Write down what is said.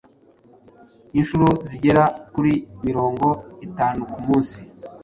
inshuro zigera kuri mirongo itanu ku munsi